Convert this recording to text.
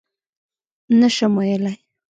_نه شم ويلای.